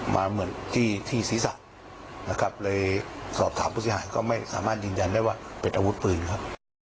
มาเหมือนที่ศีรษะเลยสอบถามผู้ชายก็ไม่สามารถยืนยันได้ว่าเป็นอาวุธปืนครับ